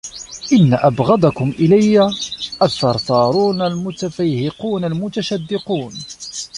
إنَّ أَبْغَضَكُمْ إلَيَّ الثَّرْثَارُونَ الْمُتَفَيْهِقُونَ الْمُتَشَدِّقُونَ